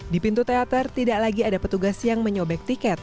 di pintu teater tidak lagi ada petugas yang menyobek tiket